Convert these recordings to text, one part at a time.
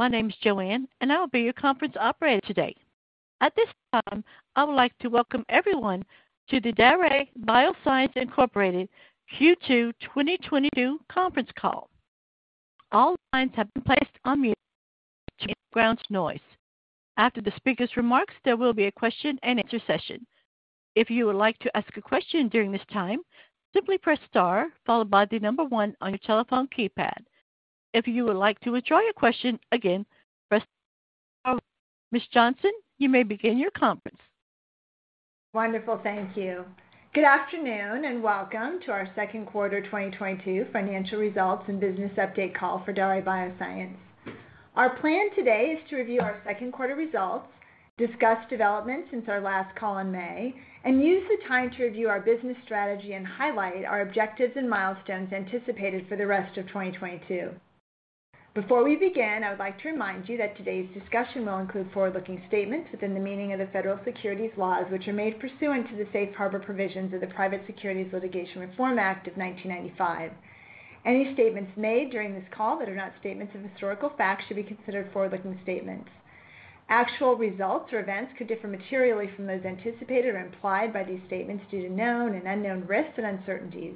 My name is Joanne, and I will be your conference operator today. At this time, I would like to welcome everyone to the Daré Bioscience, Incorporated Q2 2022 conference call. All lines have been placed on mute to minimize background noise. After the speaker's remarks, there will be a question-and-answer session. If you would like to ask a question during this time, simply press star followed by the number one on your telephone keypad. If you would like to withdraw your question, again, press star. Ms. Johnson, you may begin your conference. Wonderful. Thank you. Good afternoon, and welcome to our second quarter 2022 financial results and business update call for Daré Bioscience. Our plan today is to review our second quarter results, discuss developments since our last call in May, and use the time to review our business strategy and highlight our objectives and milestones anticipated for the rest of 2022. Before we begin, I would like to remind you that today's discussion will include forward-looking statements within the meaning of the Federal Securities laws, which are made pursuant to the Safe Harbor provisions of the Private Securities Litigation Reform Act of 1995. Any statements made during this call that are not statements of historical fact should be considered forward-looking statements. Actual results or events could differ materially from those anticipated or implied by these statements due to known and unknown risks and uncertainties.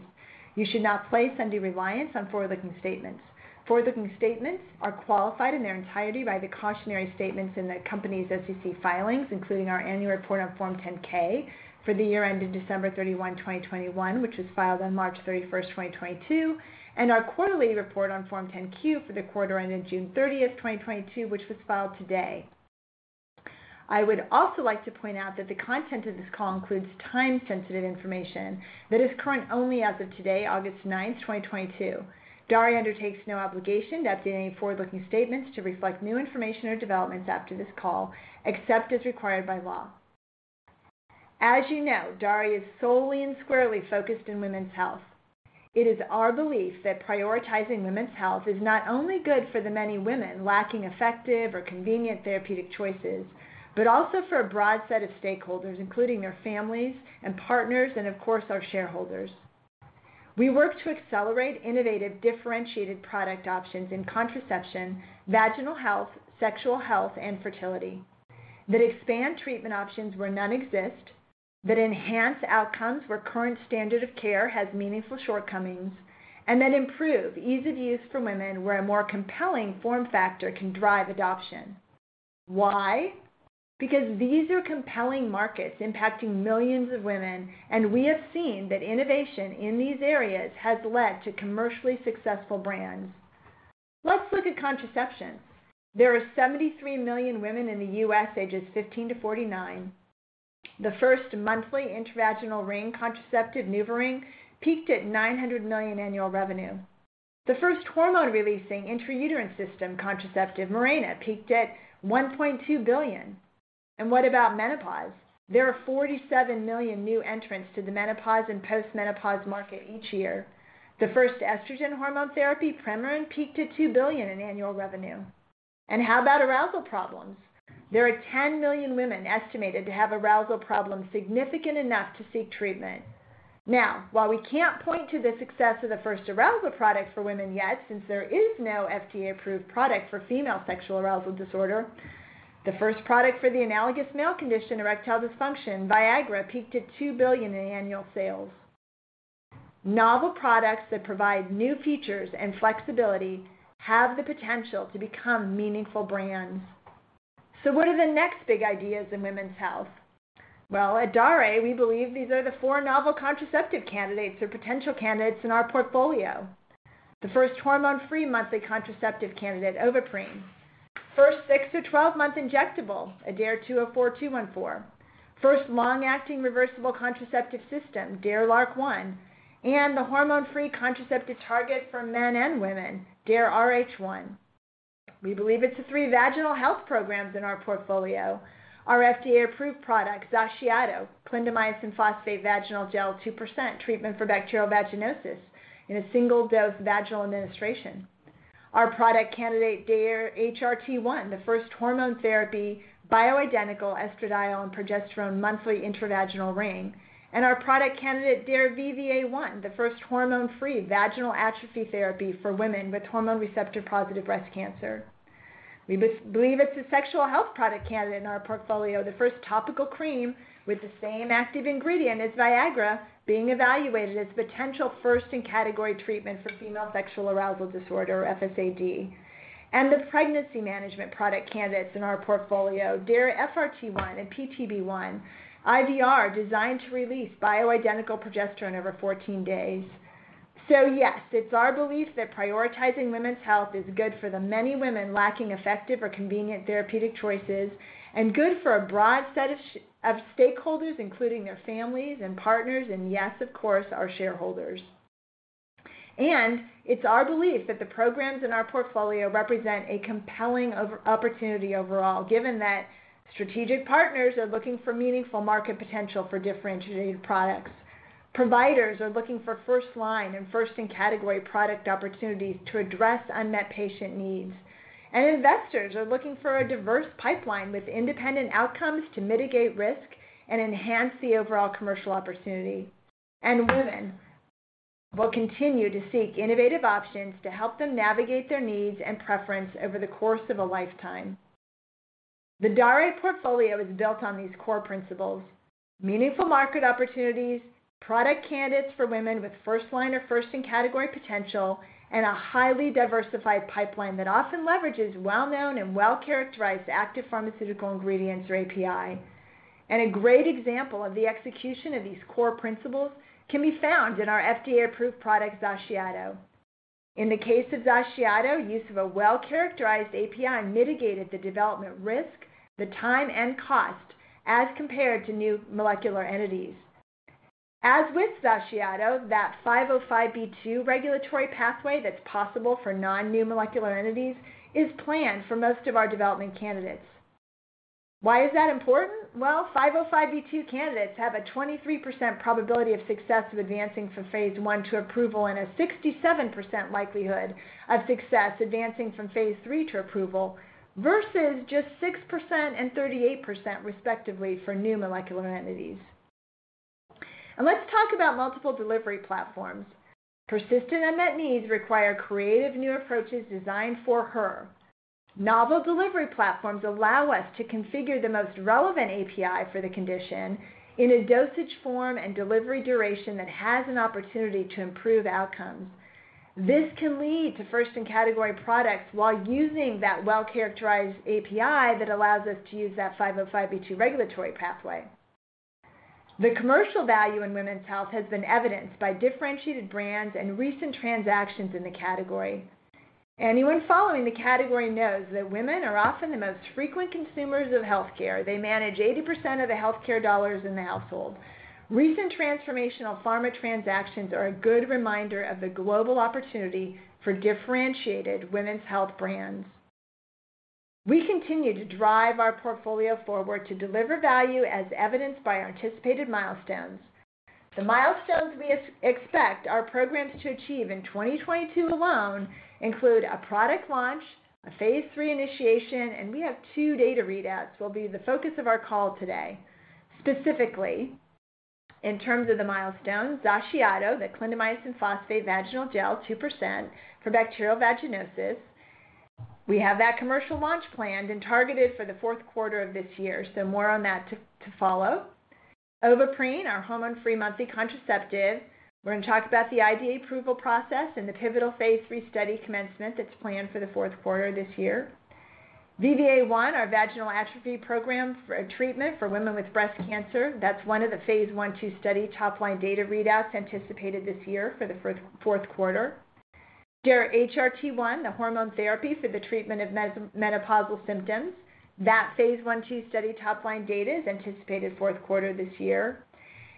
You should not place undue reliance on forward-looking statements. Forward-looking statements are qualified in their entirety by the cautionary statements in the company's SEC filings, including our annual report on Form 10-K for the year ended December 31, 2021, which was filed on March 31st, 2022, and our quarterly report on Form 10-Q for the quarter ended June 30th, 2022, which was filed today. I would also like to point out that the content of this call includes time-sensitive information that is current only as of today, August 9th, 2022. Daré undertakes no obligation to update any forward-looking statements to reflect new information or developments after this call, except as required by law. As you know, Daré is solely and squarely focused in women's health. It is our belief that prioritizing women's health is not only good for the many women lacking effective or convenient therapeutic choices, but also for a broad set of stakeholders, including their families and partners and of course, our shareholders. We work to accelerate innovative, differentiated product options in contraception, vaginal health, sexual health, and fertility that expand treatment options where none exist, that enhance outcomes where current standard of care has meaningful shortcomings, and that improve ease of use for women where a more compelling form factor can drive adoption. Why? Because these are compelling markets impacting millions of women, and we have seen that innovation in these areas has led to commercially successful brands. Let's look at contraception. There are 73 million women in the U.S. ages 15 to 49. The first monthly intravaginal ring contraceptive NuvaRing peaked at $900 million annual revenue. The first hormone-releasing intrauterine system contraceptive, Mirena, peaked at $1.2 billion. What about menopause? There are 47 million new entrants to the menopause and postmenopause market each year. The first estrogen hormone therapy, Premarin, peaked at $2 billion in annual revenue. How about arousal problems? There are 10 million women estimated to have arousal problems significant enough to seek treatment. Now, while we can't point to the success of the first arousal product for women yet, since there is no FDA-approved product for female sexual arousal disorder, the first product for the analogous male condition, erectile dysfunction, Viagra, peaked at $2 billion in annual sales. Novel products that provide new features and flexibility have the potential to become meaningful brands. What are the next big ideas in women's health? At Daré, we believe these are the four novel contraceptive candidates or potential candidates in our portfolio. The first hormone-free monthly contraceptive candidate, Ovaprene. First six- to 12-month injectable, DARE-204/DARE-214. First long-acting reversible contraceptive system, DARE-LARC1, and the hormone-free contraceptive target for men and women, DARE-RH1. We believe it's the three vaginal health programs in our portfolio. Our FDA-approved product, XACIATO, clindamycin phosphate vaginal gel 2% treatment for bacterial vaginosis in a single-dose vaginal administration. Our product candidate, DARE-HRT1, the first hormone therapy, bioidentical estradiol and progesterone monthly intravaginal ring, and our product candidate, DARE-VVA1, the first hormone-free vaginal atrophy therapy for women with hormone receptor-positive breast cancer. We believe it's a sexual health product candidate in our portfolio, the first topical cream with the same active ingredient as Viagra being evaluated as potential first in category treatment for female sexual arousal disorder or FSAD. The pregnancy management product candidates in our portfolio, DARE-FRT1 and DARE-PTB1, IVR, designed to release bioidentical progesterone over 14 days. Yes, it's our belief that prioritizing women's health is good for the many women lacking effective or convenient therapeutic choices and good for a broad set of stakeholders, including their families and partners and yes, of course, our shareholders. It's our belief that the programs in our portfolio represent a compelling opportunity overall, given that strategic partners are looking for meaningful market potential for differentiated products. Providers are looking for first-line and first-in-category product opportunities to address unmet patient needs. Investors are looking for a diverse pipeline with independent outcomes to mitigate risk and enhance the overall commercial opportunity. Women will continue to seek innovative options to help them navigate their needs and preference over the course of a lifetime. The Daré portfolio is built on these core principles, meaningful market opportunities, product candidates for women with first line or first in category potential, and a highly diversified pipeline that often leverages well-known and well-characterized active pharmaceutical ingredients or API. A great example of the execution of these core principles can be found in our FDA-approved product, XACIATO. In the case of XACIATO, use of a well-characterized API mitigated the development risk, the time, and cost as compared to new molecular entities. As with XACIATO, that 505(b)(2) regulatory pathway that's possible for non-new molecular entities is planned for most of our development candidates. Why is that important? Well, 505(b)(2) candidates have a 23% probability of success of advancing from phase I to approval and a 67% likelihood of success advancing from phase III to approval versus just 6% and 38% respectively for new molecular entities. Let's talk about multiple delivery platforms. Persistent unmet needs require creative new approaches designed for her. Novel delivery platforms allow us to configure the most relevant API for the condition in a dosage form and delivery duration that has an opportunity to improve outcomes. This can lead to first in category products while using that well-characterized API that allows us to use that 505(b)(2) regulatory pathway. The commercial value in women's health has been evidenced by differentiated brands and recent transactions in the category. Anyone following the category knows that women are often the most frequent consumers of healthcare. They manage 80% of the healthcare dollars in the household. Recent transformational pharma transactions are a good reminder of the global opportunity for differentiated women's health brands. We continue to drive our portfolio forward to deliver value as evidenced by our anticipated milestones. The milestones we expect our programs to achieve in 2022 alone include a product launch, a phase III initiation, and two data readouts will be the focus of our call today. Specifically, in terms of the milestone, XACIATO, the clindamycin phosphate vaginal gel 2% for bacterial vaginosis. We have that commercial launch planned and targeted for the fourth quarter of this year, so more on that to follow. Ovaprene, our hormone-free monthly contraceptive. We're going to talk about the IDE approval process and the pivotal phase III study commencement that's planned for the fourth quarter of this year. DARE-VVA1, our vaginal atrophy program for treatment for women with breast cancer. That's one of the phase I/II study top line data readouts anticipated this year for the fourth quarter. DARE-HRT1, the hormone therapy for the treatment of menopausal symptoms. That phase I/II study top line data is anticipated fourth quarter this year.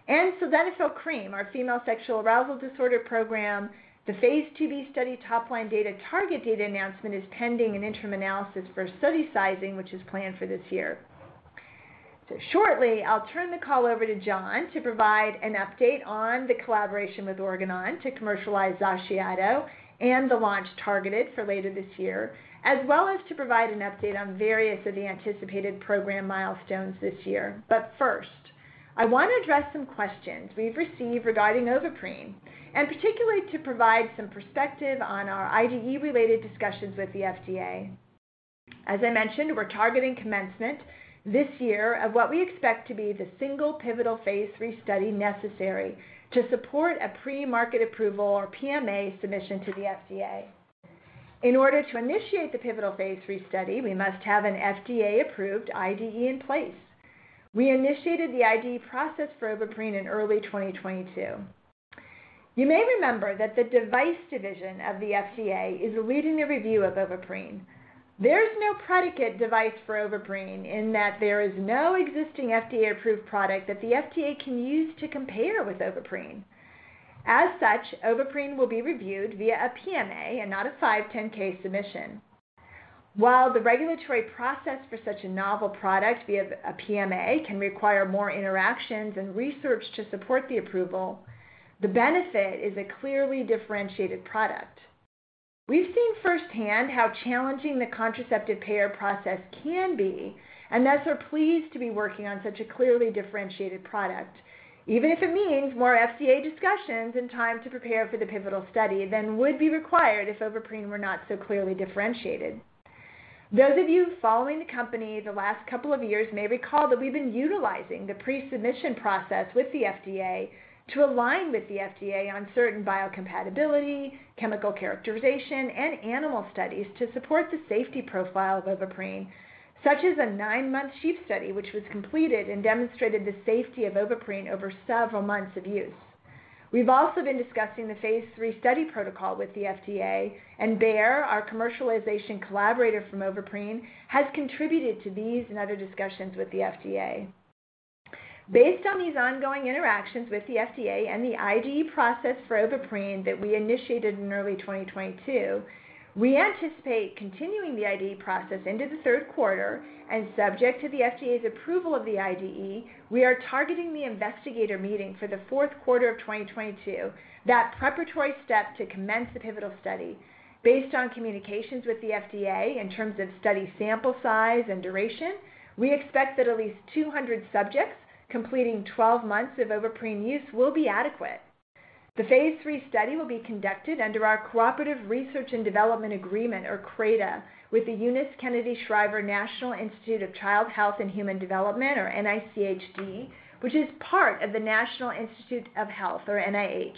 Sildenafil Cream, 3.6%, our female sexual arousal disorder program. The phase II-B study top line data target data announcement is pending an interim analysis for study sizing, which is planned for this year. Shortly, I'll turn the call over to John to provide an update on the collaboration with Organon to commercialize XACIATO and the launch targeted for later this year, as well as to provide an update on various of the anticipated program milestones this year. First, I want to address some questions we've received regarding Ovaprene, and particularly to provide some perspective on our IDE-related discussions with the FDA. As I mentioned, we're targeting commencement this year of what we expect to be the single pivotal phase III study necessary to support a premarket approval or PMA submission to the FDA. In order to initiate the pivotal phase III study, we must have an FDA-approved IDE in place. We initiated the IDE process for Ovaprene in early 2022. You may remember that the device division of the FDA is leading the review of Ovaprene. There's no predicate device for Ovaprene in that there is no existing FDA-approved product that the FDA can use to compare with Ovaprene. As such, Ovaprene will be reviewed via a PMA and not a 510(k) submission. While the regulatory process for such a novel product via a PMA can require more interactions and research to support the approval, the benefit is a clearly differentiated product. We've seen firsthand how challenging the contraceptive payer process can be, and thus are pleased to be working on such a clearly differentiated product, even if it means more FDA discussions and time to prepare for the pivotal study than would be required if Ovaprene were not so clearly differentiated. Those of you following the company the last couple of years may recall that we've been utilizing the pre-submission process with the FDA to align with the FDA on certain biocompatibility, chemical characterization, and animal studies to support the safety profile of Ovaprene, such as a nine-month sheep study, which was completed and demonstrated the safety of Ovaprene over several months of use. We've also been discussing the phase III study protocol with the FDA, and Bayer, our commercialization collaborator for Ovaprene, has contributed to these and other discussions with the FDA. Based on these ongoing interactions with the FDA and the IDE process for Ovaprene that we initiated in early 2022, we anticipate continuing the IDE process into the third quarter, and subject to the FDA's approval of the IDE, we are targeting the investigator meeting for the fourth quarter of 2022, that preparatory step to commence the pivotal study. Based on communications with the FDA in terms of study sample size and duration, we expect that at least 200 subjects completing 12 months of Ovaprene use will be adequate. The phase III study will be conducted under our Cooperative Research and Development Agreement or CRADA with the Eunice Kennedy Shriver National Institute of Child Health and Human Development, or NICHD, which is part of the National Institutes of Health, or NIH.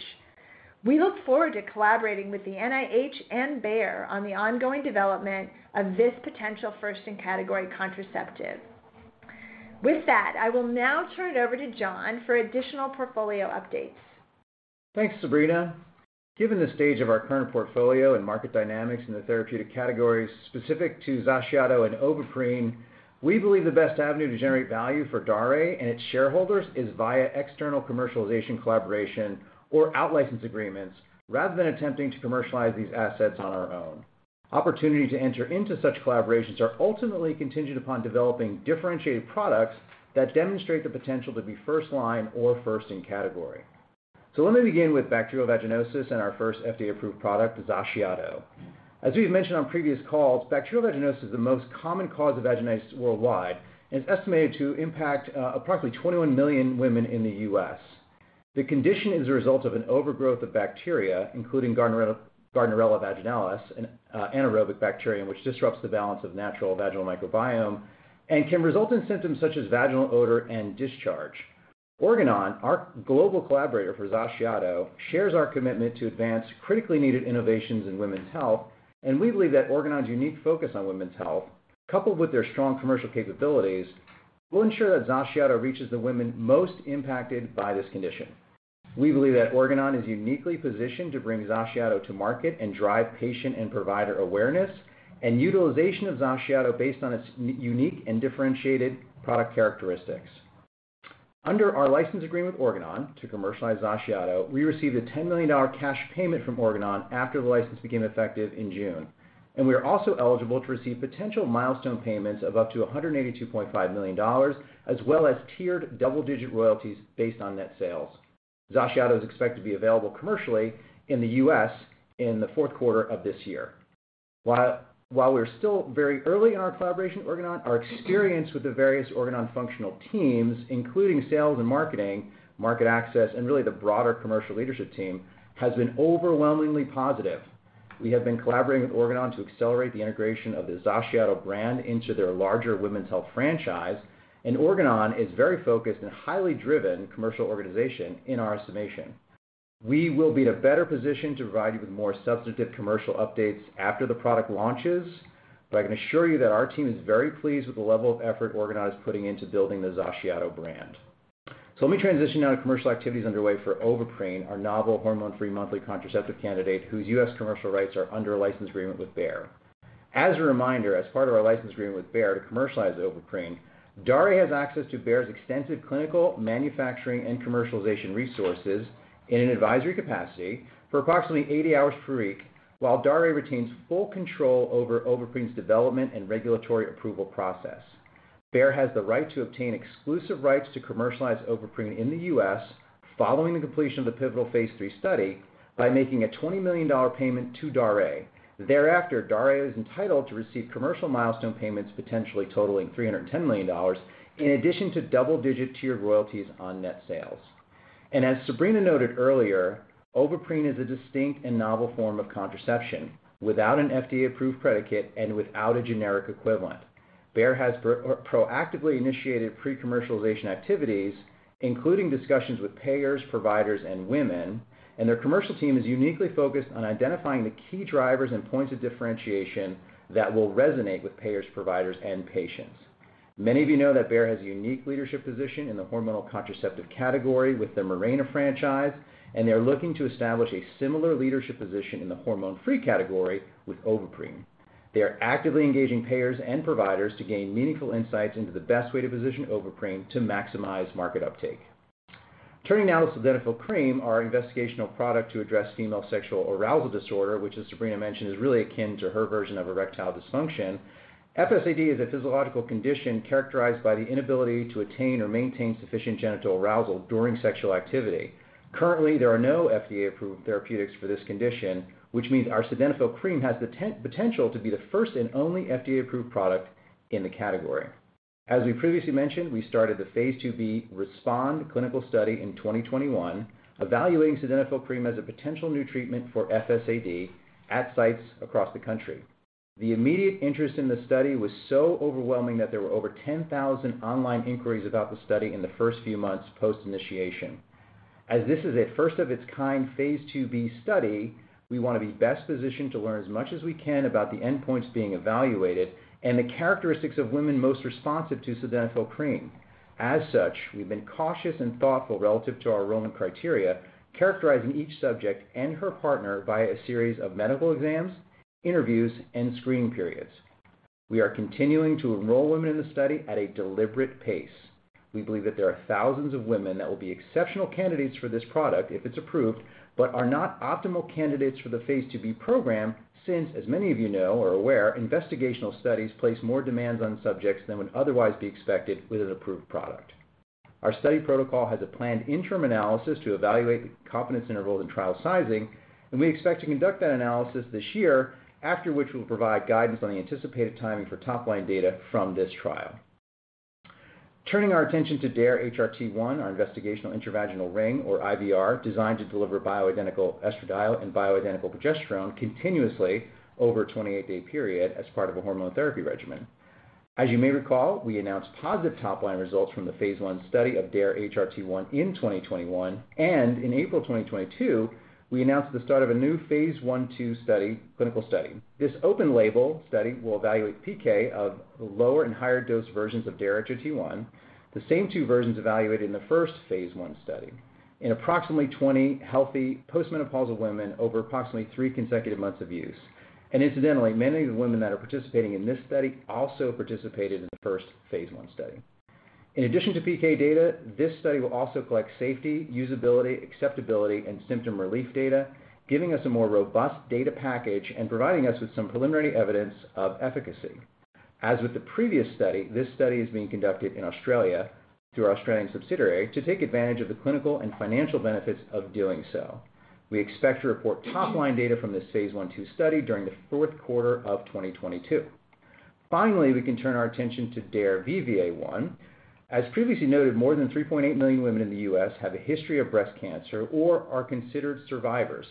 We look forward to collaborating with the NIH and Bayer on the ongoing development of this potential first in category contraceptive. With that, I will now turn it over to John for additional portfolio updates. Thanks, Sabrina. Given the stage of our current portfolio and market dynamics in the therapeutic categories specific to XACIATO and Ovaprene, we believe the best avenue to generate value for Daré and its shareholders is via external commercialization collaboration or outlicense agreements rather than attempting to commercialize these assets on our own. Opportunity to enter into such collaborations are ultimately contingent upon developing differentiated products that demonstrate the potential to be first line or first in category. Let me begin with bacterial vaginosis and our first FDA-approved product, XACIATO. As we've mentioned on previous calls, bacterial vaginosis is the most common vaginal infection worldwide and is estimated to impact approximately 21 million women in the U.S. The condition is a result of an overgrowth of bacteria, including Gardnerella vaginalis, an anaerobic bacterium, which disrupts the balance of natural vaginal microbiome and can result in symptoms such as vaginal odor and discharge. Organon, our global collaborator for XACIATO, shares our commitment to advance critically needed innovations in women's health, and we believe that Organon's unique focus on women's health, coupled with their strong commercial capabilities, will ensure that XACIATO reaches the women most impacted by this condition. We believe that Organon is uniquely positioned to bring XACIATO to market and drive patient and provider awareness and utilization of XACIATO based on its unique and differentiated product characteristics. Under our license agreement with Organon to commercialize XACIATO, we received a $10 million cash payment from Organon after the license became effective in June. We are also eligible to receive potential milestone payments of up to $182.5 million, as well as tiered double-digit royalties based on net sales. XACIATO is expected to be available commercially in the U.S. in the fourth quarter of this year. While we're still very early in our collaboration with Organon, our experience with the various Organon functional teams, including sales and marketing, market access, and really the broader commercial leadership team, has been overwhelmingly positive. We have been collaborating with Organon to accelerate the integration of the XACIATO brand into their larger women's health franchise, and Organon is very focused and highly driven commercial organization in our estimation. We will be in a better position to provide you with more substantive commercial updates after the product launches, but I can assure you that our team is very pleased with the level of effort Organon is putting into building the XACIATO brand. Let me transition now to commercial activities underway for Ovaprene, our novel hormone-free monthly contraceptive candidate whose U.S. commercial rights are under a license agreement with Bayer. As a reminder, as part of our license agreement with Bayer to commercialize Ovaprene, Daré has access to Bayer's extensive clinical, manufacturing, and commercialization resources in an advisory capacity for approximately 80 hours per week, while Daré retains full control over Ovaprene's development and regulatory approval process. Bayer has the right to obtain exclusive rights to commercialize Ovaprene in the U.S. following the completion of the pivotal phase III study by making a $20 million payment to Daré. Thereafter, Daré is entitled to receive commercial milestone payments potentially totaling $310 million, in addition to double-digit tiered royalties on net sales. As Sabrina noted earlier, Ovaprene is a distinct and novel form of contraception without an FDA-approved predicate and without a generic equivalent. Bayer has proactively initiated pre-commercialization activities, including discussions with payers, providers, and women, and their commercial team is uniquely focused on identifying the key drivers and points of differentiation that will resonate with payers, providers, and patients. Many of you know that Bayer has a unique leadership position in the hormonal contraceptive category with the Mirena franchise, and they're looking to establish a similar leadership position in the hormone-free category with Ovaprene. They are actively engaging payers and providers to gain meaningful insights into the best way to position Ovaprene to maximize market uptake. Turning now to Sildenafil Cream, our investigational product to address female sexual arousal disorder, which as Sabrina mentioned, is really akin to her version of erectile dysfunction. FSAD is a physiological condition characterized by the inability to attain or maintain sufficient genital arousal during sexual activity. Currently, there are no FDA-approved therapeutics for this condition, which means our Sildenafil Cream has the potential to be the first and only FDA-approved product in the category. As we previously mentioned, we started the phase II-B RESPOND clinical study in 2021, evaluating Sildenafil Cream as a potential new treatment for FSAD at sites across the country. The immediate interest in the study was so overwhelming that there were over 10,000 online inquiries about the study in the first few months post-initiation. As this is a first of its kind phase II-B study, we want to be best positioned to learn as much as we can about the endpoints being evaluated and the characteristics of women most responsive to Sildenafil Cream. As such, we've been cautious and thoughtful relative to our enrollment criteria, characterizing each subject and her partner via a series of medical exams, interviews, and screening periods. We are continuing to enroll women in the study at a deliberate pace. We believe that there are thousands of women that will be exceptional candidates for this product if it's approved, but are not optimal candidates for the phase II-B program since, as many of you know or are aware, investigational studies place more demands on subjects than would otherwise be expected with an approved product. Our study protocol has a planned interim analysis to evaluate the confidence intervals and trial sizing, and we expect to conduct that analysis this year, after which we'll provide guidance on the anticipated timing for top-line data from this trial. Turning our attention to DARE-HRT1, our investigational intravaginal ring or IVR, designed to deliver bioidentical estradiol and bioidentical progesterone continuously over a 28-day period as part of a hormone therapy regimen. As you may recall, we announced positive top-line results from the phase I study of DARE-HRT1 in 2021, and in April 2022, we announced the start of a new phase I/II clinical study. This open label study will evaluate PK of the lower and higher dose versions of DARE-HRT1, the same two versions evaluated in the first phase I study in approximately 20 healthy postmenopausal women over approximately three consecutive months of use. Incidentally, many of the women that are participating in this study also participated in the first phase I study. In addition to PK data, this study will also collect safety, usability, acceptability, and symptom relief data, giving us a more robust data package and providing us with some preliminary evidence of efficacy. As with the previous study, this study is being conducted in Australia through our Australian subsidiary to take advantage of the clinical and financial benefits of doing so. We expect to report top line data from this phase I/II study during the fourth quarter of 2022. Finally, we can turn our attention to DARE-VVA1. As previously noted, more than 3.8 million women in the U.S. have a history of breast cancer or are considered survivors.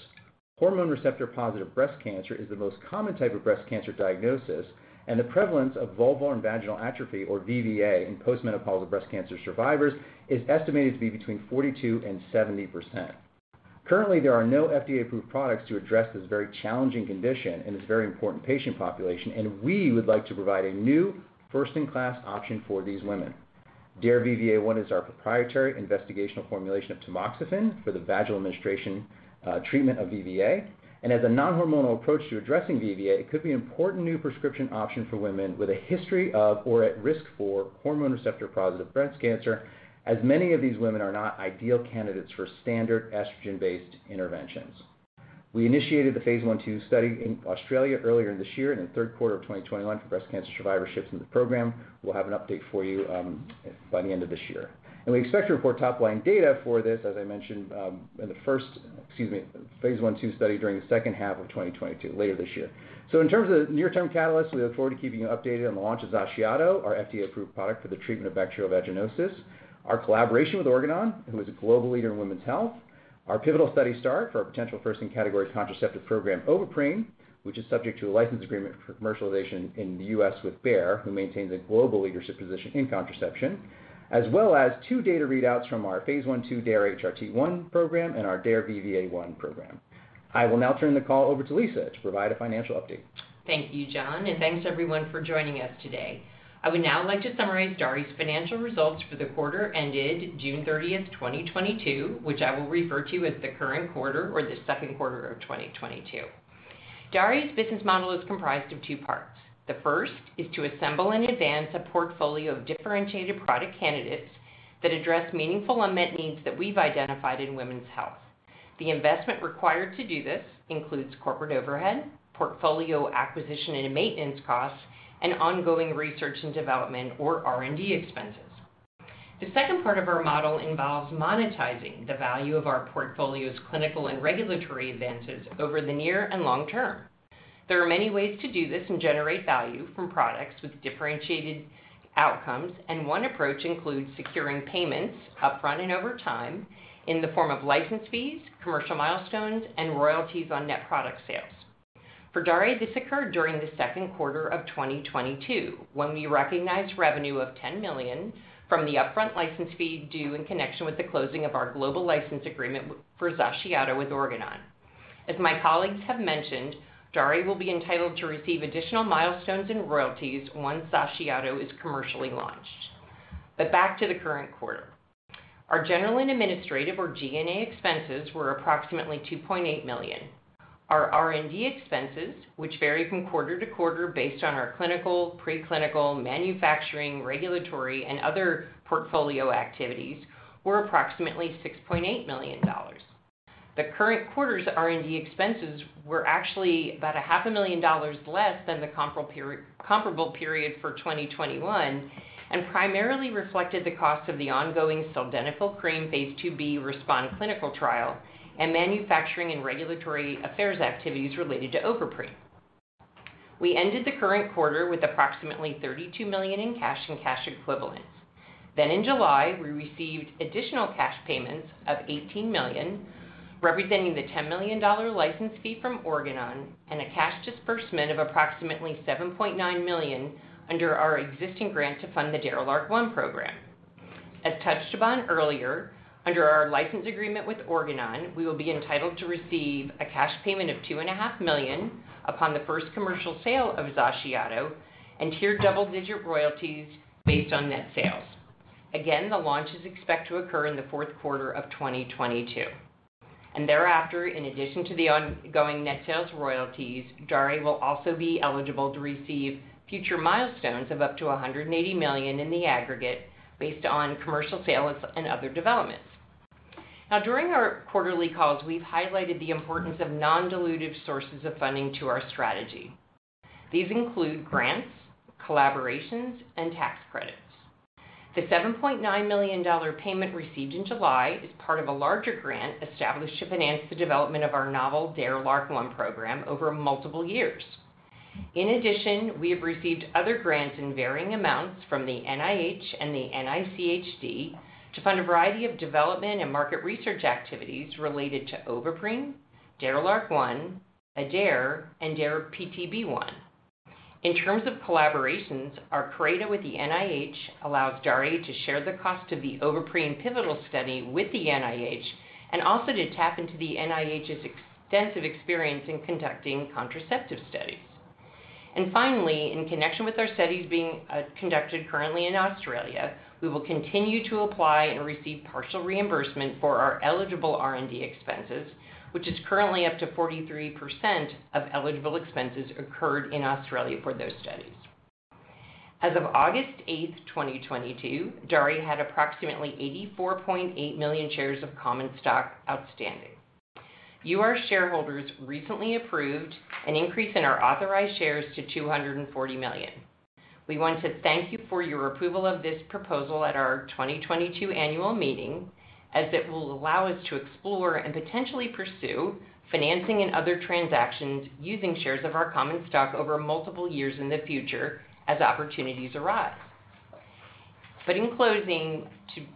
Hormone receptor-positive breast cancer is the most common type of breast cancer diagnosis, and the prevalence of vulvar and vaginal atrophy, or VVA, in post-menopausal breast cancer survivors is estimated to be between 42% and 70%. Currently, there are no FDA approved products to address this very challenging condition in this very important patient population, and we would like to provide a new first in class option for these women. DARE-VVA1 is our proprietary investigational formulation of tamoxifen for the vaginal administration, treatment of VVA. As a non-hormonal approach to addressing VVA, it could be an important new prescription option for women with a history of or at risk for hormone receptor-positive breast cancer, as many of these women are not ideal candidates for standard estrogen-based interventions. We initiated the phase I/II study in Australia earlier this year and in the third quarter of 2021 for breast cancer survivorship in the program. We'll have an update for you by the end of this year. We expect to report top line data for this, as I mentioned, in the phase I/II study during the second half of 2022, later this year. In terms of near-term catalysts, we look forward to keeping you updated on the launch of XACIATO, our FDA-approved product for the treatment of bacterial vaginosis, our collaboration with Organon, who is a global leader in women's health, our pivotal study start for our potential first-in-category contraceptive program, Ovaprene, which is subject to a license agreement for commercialization in the U.S. with Bayer, who maintains a global leadership position in contraception, as well as two data readouts from our phase I/II DARE-HRT1 program and our DARE-VVA1 program. I will now turn the call over to Lisa to provide a financial update. Thank you, John, and thanks everyone for joining us today. I would now like to summarize Daré's financial results for the quarter ended June 30th, 2022, which I will refer to as the current quarter or the second quarter of 2022. Daré's business model is comprised of two parts. The first is to assemble in advance a portfolio of differentiated product candidates that address meaningful unmet needs that we've identified in women's health. The investment required to do this includes corporate overhead, portfolio acquisition and maintenance costs, and ongoing research and development or R&D expenses. The second part of our model involves monetizing the value of our portfolio's clinical and regulatory advantages over the near and long term. There are many ways to do this and generate value from products with differentiated outcomes, and one approach includes securing payments upfront and over time in the form of license fees, commercial milestones, and royalties on net product sales. For Daré, this occurred during the second quarter of 2022, when we recognized revenue of $10 million from the upfront license fee due in connection with the closing of our global license agreement for XACIATO with Organon. As my colleagues have mentioned, Daré will be entitled to receive additional milestones and royalties once XACIATO is commercially launched. Back to the current quarter. Our general and administrative or G&A expenses were approximately $2.8 million. Our R&D expenses, which vary from quarter-to-quarter based on our clinical, preclinical, manufacturing, regulatory, and other portfolio activities, were approximately $6.8 million. The current quarter's R&D expenses were actually about $500,000 less than the comparable period for 2021, and primarily reflected the cost of the ongoing Sildenafil Cream phase II-B RESPOND clinical trial and manufacturing and regulatory affairs activities related to Ovaprene. We ended the current quarter with approximately $32 million in cash and cash equivalents. In July, we received additional cash payments of $18 million, representing the $10 million license fee from Organon and a cash disbursement of approximately $7.9 million under our existing grant to fund the DARE-LARC1 program. As touched upon earlier, under our license agreement with Organon, we will be entitled to receive a cash payment of $2.5 million upon the first commercial sale of XACIATO and tiered double-digit royalties based on net sales. Again, the launch is expected to occur in the fourth quarter of 2022. Thereafter, in addition to the ongoing net sales royalties, Daré will also be eligible to receive future milestones of up to $180 million in the aggregate based on commercial sales and other developments. Now during our quarterly calls, we've highlighted the importance of non-dilutive sources of funding to our strategy. These include grants, collaborations, and tax credits. The $7.9 million payment received in July is part of a larger grant established to finance the development of our novel DARE-LARC1 program over multiple years. In addition, we have received other grants in varying amounts from the NIH and the NICHD to fund a variety of development and market research activities related to Ovaprene, DARE-LARC1, DARE-RH1, and DARE-PTB1. In terms of collaborations, our CRADA with the NIH allows Daré to share the cost of the Ovaprene pivotal study with the NIH and also to tap into the NIH's extensive experience in conducting contraceptive studies. Finally, in connection with our studies conducted currently in Australia, we will continue to apply and receive partial reimbursement for our eligible R&D expenses, which is currently up to 43% of eligible expenses incurred in Australia for those studies. As of August 8th, 2022, Daré had approximately 84.8 million shares of common stock outstanding. You, our shareholders, recently approved an increase in our authorized shares to 240 million. We want to thank you for your approval of this proposal at our 2022 annual meeting, as it will allow us to explore and potentially pursue financing and other transactions using shares of our common stock over multiple years in the future as opportunities arise. In closing,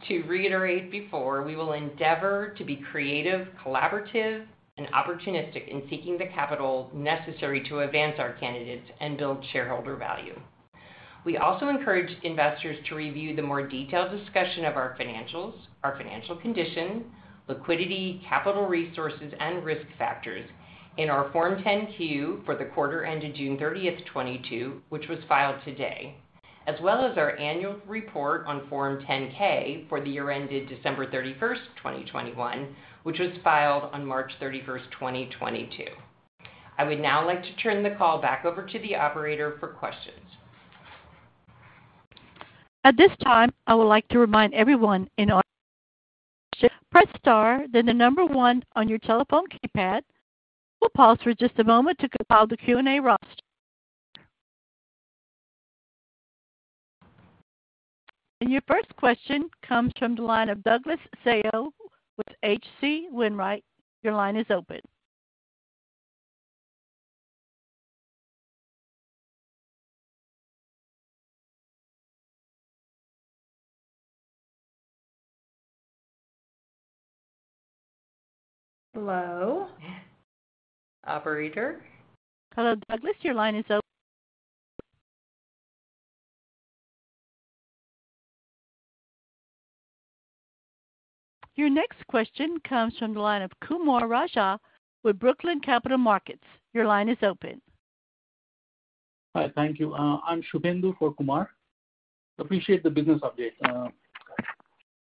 to reiterate before, we will endeavor to be creative, collaborative, and opportunistic in seeking the capital necessary to advance our candidates and build shareholder value. We also encourage investors to review the more detailed discussion of our financials, our financial condition, liquidity, capital resources, and risk factors in our Form 10-Q for the quarter ended June 30th, 2022, which was filed today, as well as our annual report on Form 10-K for the year ended December 31st, 2021, which was filed on March 31st, 2022. I would now like to turn the call back over to the operator for questions. At this time, I would like to remind everyone. Press star, then the number one on your telephone keypad. We'll pause for just a moment to compile the Q&A roster. Your first question comes from the line of Douglas Tsao with H.C. Wainwright. Your line is open. Hello. Operator. Hello, Douglas. Your line is open. Your next question comes from the line of Kumaraguru Raja with Brookline Capital Markets. Your line is open. Hi. Thank you. I'm Chapin Jewell for Kumar. Appreciate the business update.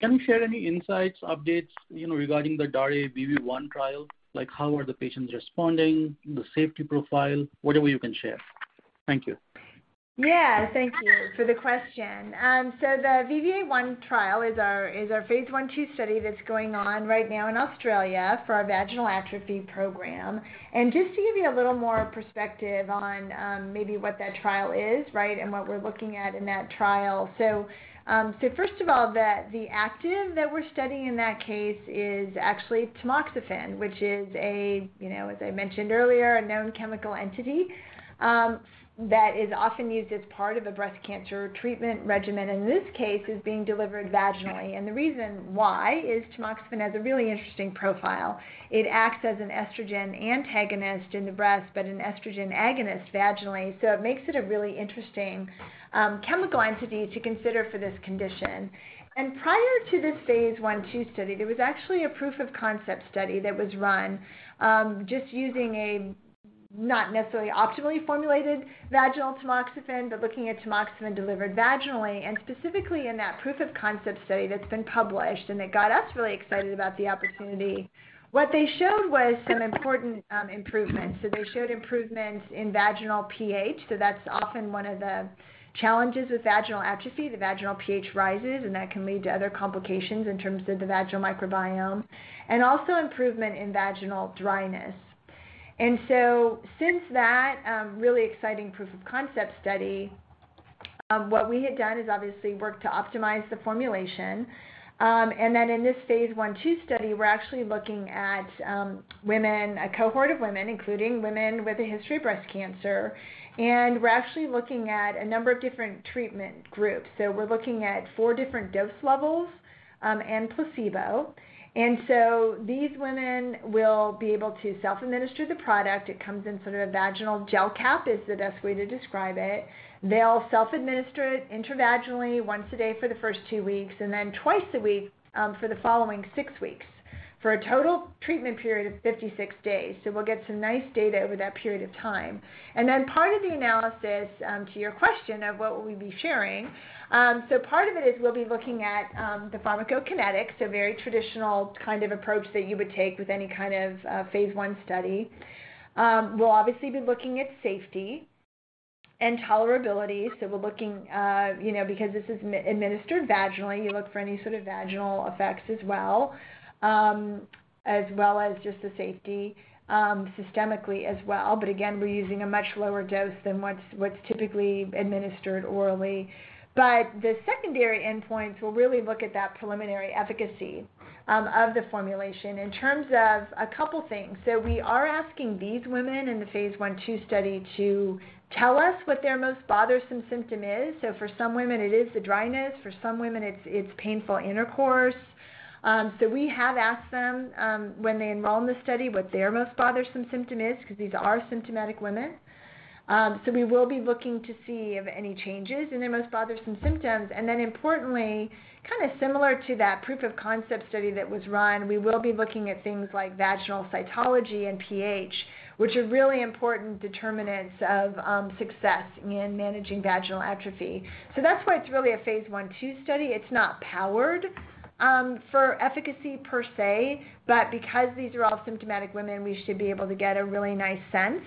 Can you share any insights, updates, you know, regarding the DARE-VVA1 trial? Like, how are the patients responding, the safety profile? Whatever you can share. Thank you. Yeah, thank you for the question. The VVA1 trial is our phase I/II study that's going on right now in Australia for our vaginal atrophy program. Just to give you a little more perspective on maybe what that trial is, right? And what we're looking at in that trial. First of all, the active that we're studying in that case is actually tamoxifen, which is a, you know, as I mentioned earlier, a known chemical entity that is often used as part of a breast cancer treatment regimen. In this case, it's being delivered vaginally. The reason why is tamoxifen has a really interesting profile. It acts as an estrogen antagonist in the breast, but an estrogen agonist vaginally. It makes it a really interesting chemical entity to consider for this condition. Prior to this phase I/II study, there was actually a proof of concept study that was run, just using a not necessarily optimally formulated vaginal tamoxifen, but looking at tamoxifen delivered vaginally and specifically in that proof of concept study that's been published, and it got us really excited about the opportunity. What they showed was some important improvements. They showed improvements in vaginal pH, so that's often one of the challenges with vaginal atrophy. The vaginal pH rises, and that can lead to other complications in terms of the vaginal microbiome. Also improvement in vaginal dryness. Since that really exciting proof of concept study, what we had done is obviously worked to optimize the formulation. In this phase I/II study, we're actually looking at a cohort of women, including women with a history of breast cancer. We're actually looking at a number of different treatment groups. We're looking at four different dose levels and placebo. These women will be able to self-administer the product. It comes in sort of a vaginal gel cap, is the best way to describe it. They'll self-administer it intravaginally once a day for the first two weeks and then twice a week for the following six weeks, for a total treatment period of 56 days. We'll get some nice data over that period of time. Part of the analysis, to your question of what will we be sharing, so part of it is we'll be looking at the pharmacokinetics, so very traditional kind of approach that you would take with any kind of phase I study. We'll obviously be looking at safety. Tolerability. We're looking, you know, because this is administered vaginally, you look for any sort of vaginal effects as well, as well as just the safety, systemically as well. Again, we're using a much lower dose than what's typically administered orally. The secondary endpoints will really look at that preliminary efficacy of the formulation in terms of a couple things. We are asking these women in the phase I/II study to tell us what their most bothersome symptom is. For some women it is the dryness, for some women it's painful intercourse. We have asked them, when they enroll in the study what their most bothersome symptom is 'cause these are symptomatic women. We will be looking to see if any changes in their most bothersome symptoms. Importantly, kinda similar to that proof of concept study that was run, we will be looking at things like vaginal cytology and pH, which are really important determinants of success in managing vaginal atrophy. That's why it's really a phase I/II study. It's not powered for efficacy per se, but because these are all symptomatic women, we should be able to get a really nice sense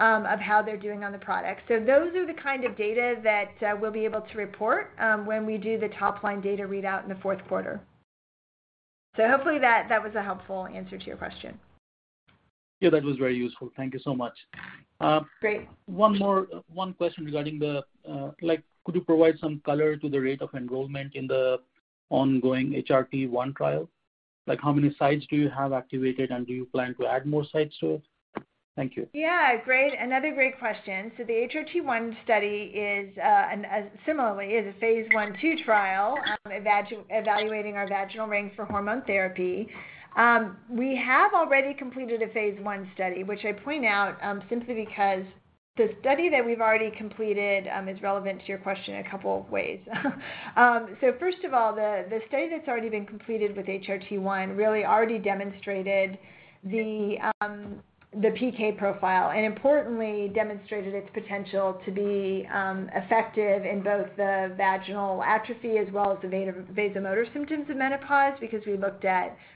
of how they're doing on the product. Those are the kind of data that we'll be able to report when we do the top line data readout in the fourth quarter. Hopefully that was a helpful answer to your question. Yeah, that was very useful. Thank you so much. Great. One more question regarding the like, could you provide some color to the rate of enrollment in the ongoing HRT1 trial? Like how many sites do you have activated, and do you plan to add more sites to it? Thank you. Yeah. Great. Another great question. The HRT1 study is similarly a phase I/II trial evaluating our vaginal ring for hormone therapy. We have already completed a phase I study, which I point out simply because the study that we've already completed is relevant to your question a couple of ways. First of all, the study that's already been completed with HRT1 really already demonstrated the PK profile, and importantly demonstrated its potential to be effective in both the vaginal atrophy as well as the vasomotor symptoms of menopause.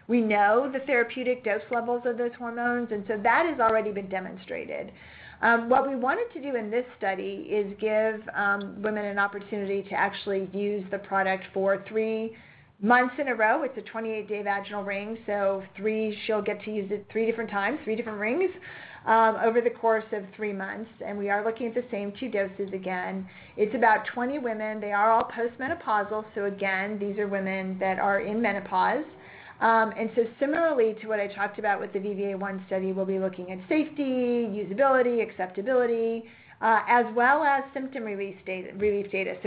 We know the therapeutic dose levels of those hormones, and that has already been demonstrated. What we wanted to do in this study is give women an opportunity to actually use the product for three months in a row. It's a 28-day vaginal ring, so she'll get to use it three different times, three different rings, over the course of three months. We are looking at the same two doses again. It's about 20 women. They are all postmenopausal, so again, these are women that are in menopause. Similarly to what I talked about with the VVA1 study, we'll be looking at safety, usability, acceptability, as well as symptom relief data.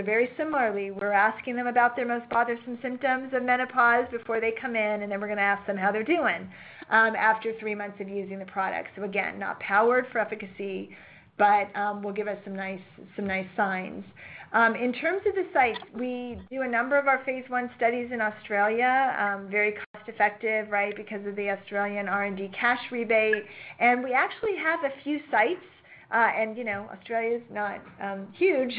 Very similarly, we're asking them about their most bothersome symptoms of menopause before they come in, and then we're gonna ask them how they're doing after three months of using the product. Again, not powered for efficacy, but will give us some nice signs. In terms of the sites, we do a number of our phase I studies in Australia, very cost effective, right? Because of the Australian R&D cash rebate. We actually have a few sites. You know, Australia's not huge.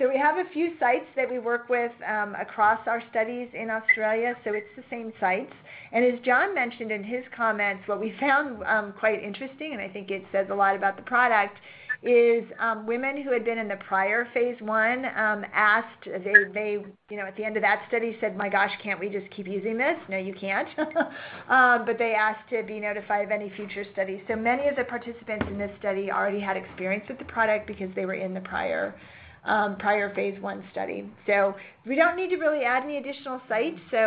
So we have a few sites that we work with across our studies in Australia, so it's the same sites. As John mentioned in his comments, what we found quite interesting, and I think it says a lot about the product, is women who had been in the prior phase I asked, they you know, at the end of that study said, "My gosh, can't we just keep using this?" No, you can't. They asked to be notified of any future studies. Many of the participants in this study already had experience with the product because they were in the prior phase I study. We don't need to really add any additional sites. You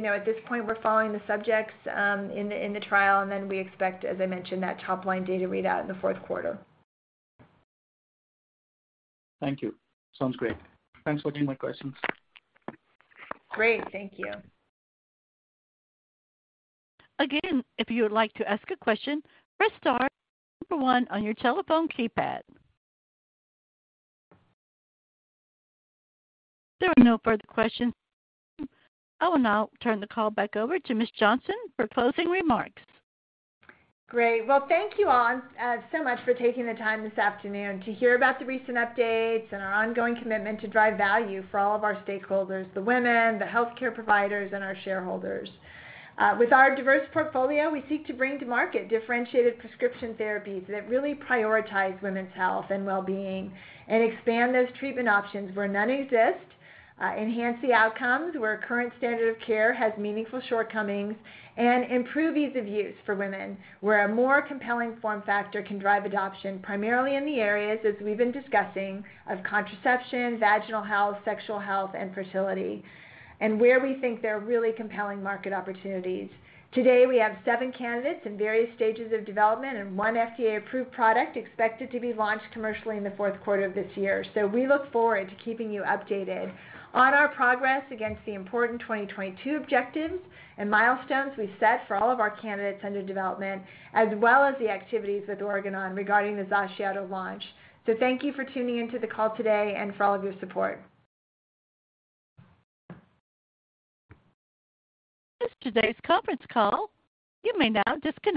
know, at this point we're following the subjects in the trial, and then we expect, as I mentioned, that top line data readout in the fourth quarter. Thank you. Sounds great. Thanks for taking my questions. Great. Thank you. Again, if you would like to ask a question, press star number one on your telephone keypad. There are no further questions. I will now turn the call back over to Ms. Johnson for closing remarks. Great. Well, thank you all, so much for taking the time this afternoon to hear about the recent updates and our ongoing commitment to drive value for all of our stakeholders, the women, the healthcare providers, and our shareholders. With our diverse portfolio, we seek to bring to market differentiated prescription therapies that really prioritize women's health and well-being and expand those treatment options where none exist, enhance the outcomes where current standard of care has meaningful shortcomings, and improve ease of use for women where a more compelling form factor can drive adoption, primarily in the areas, as we've been discussing, of contraception, vaginal health, sexual health, and fertility, and where we think there are really compelling market opportunities. Today we have seven candidates in various stages of development and one FDA-approved product expected to be launched commercially in the fourth quarter of this year. We look forward to keeping you updated on our progress against the important 2022 objectives and milestones we've set for all of our candidates under development, as well as the activities with Organon regarding the XACIATO launch. Thank you for tuning into the call today and for all of your support. This is today's conference call. You may now disconnect.